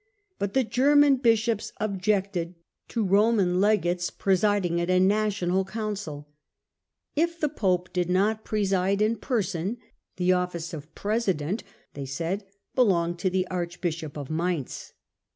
But the German bishops objected to Roman legates presiding in Digitized by VjOOQIC HiLDBBRAND POPB 97 a Dational council. If the pope did not preside in person, the office of president, they said, belonged to the arch bishop of Mainz.